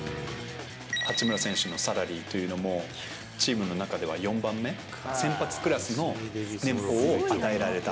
八村選手のサラリーというのも、チームの中では４番目、先発クラスの年俸を与えられた。